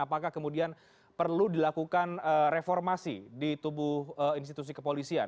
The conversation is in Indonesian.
apakah kemudian perlu dilakukan reformasi di tubuh institusi kepolisian